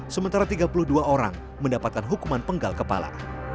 sementara tiga puluh dua orang mendapatkan hukuman penggal kepala